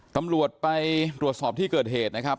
ตำรวจไปตรวจสอบที่เกิดเหตุนะครับ